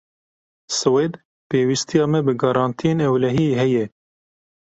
Swêd, pêwîstiya me bi garantiyên ewlehiyê heye.